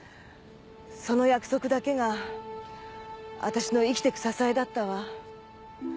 その約束だけが私の生きてく支えだったわ。